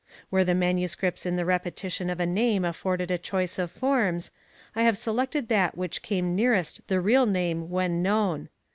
Where the MSS. in the repetition of a name afforded a choice of forms, I have selected that which came nearest the real name when known.